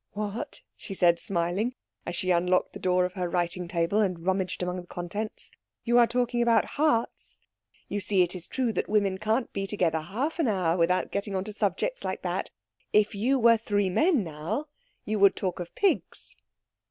"What," she said, smiling, as she unlocked the drawer of her writing table and rummaged among the contents, "you are talking about hearts? You see it is true that women can't be together half an hour without getting on to subjects like that. If you were three men, now, you would talk of pigs."